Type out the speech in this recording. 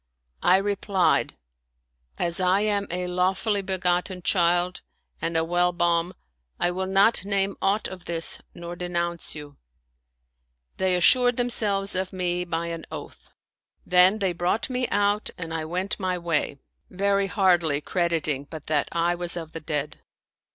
I replied, " As I am a law fully begotten child and a well born, I will not name aught of this nor denounce you !" They assured themselves of me 164 Told by the Constabk by an oath ; then they brought me out and I went my way, very hardly crediting but that I was of the dead.